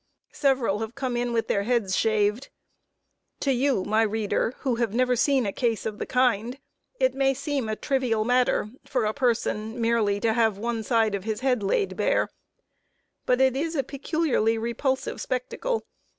Several have come in with their heads shaved. To you, my reader, who have never seen a case of the kind, it may seem a trivial matter for a person merely to have one side of his head laid bare, but it is a peculiarly repulsive spectacle.